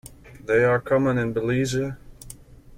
They are common in Belize.